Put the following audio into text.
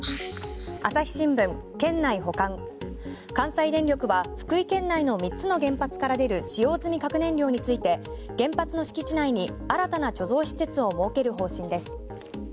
朝日新聞、県内保管関西電力は福井県内の三つの原発から出る使用済み核燃料について原発の敷地内に新たな貯蔵施設を設ける方針です。